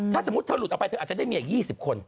ถ้าสมมุติเธอหลุดออกไปเธออาจจะได้เมียอีก๒๐คน